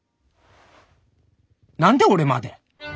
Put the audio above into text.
何で俺まで？